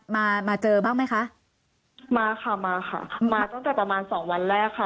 มามาเจอบ้างไหมคะมาค่ะมาค่ะมาตั้งแต่ประมาณสองวันแรกค่ะ